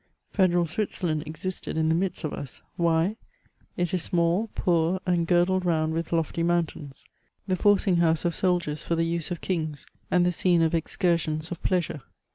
Federal Switzerland existed in the midst of us ; why ? It is small, poor, and girdled round with lofty mountains ; the forcing house of soldiers for the use of kings, and the scene of excursions of plea sure.